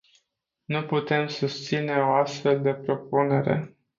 Nu putem susține o astfel de propunere.